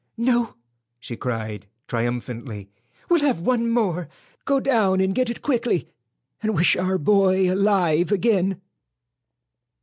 "No," she cried, triumphantly; "we'll have one more. Go down and get it quickly, and wish our boy alive again."